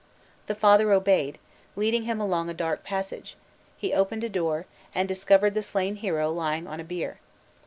The father obeyed; leading him along a dark passage, he opened a door, and discovered the slain hero lying on a bier.